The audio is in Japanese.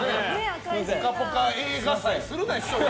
「ぽかぽか」映画祭するな１人で。